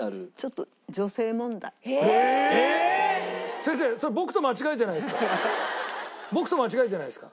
先生それ僕と間違えてないですか？